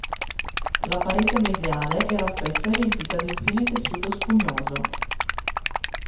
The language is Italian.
La parete mesiale era spessa e riempita di un fine tessuto spugnoso.